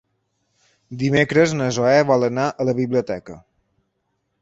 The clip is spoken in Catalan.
Dimecres na Zoè vol anar a la biblioteca.